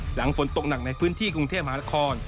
หลังฝนตกหนักในพื้นที่กรุงเทพมหานคร